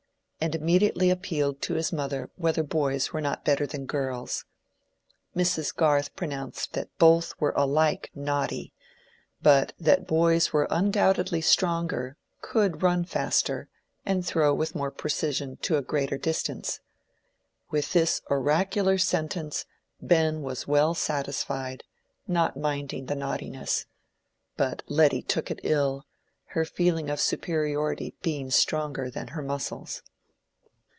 and immediately appealed to his mother whether boys were not better than girls. Mrs. Garth pronounced that both were alike naughty, but that boys were undoubtedly stronger, could run faster, and throw with more precision to a greater distance. With this oracular sentence Ben was well satisfied, not minding the naughtiness; but Letty took it ill, her feeling of superiority being stronger than her muscles.